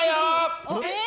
えっ。